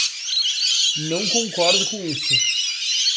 Não concordo com isso